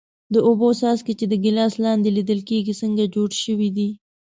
د اوبو څاڅکي چې د ګیلاس لاندې لیدل کیږي څنګه جوړ شوي دي؟